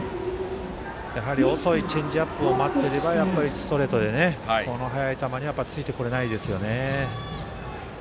やはり遅いチェンジアップを待っていてはやっぱりストレートの速い球についてこれないですよね。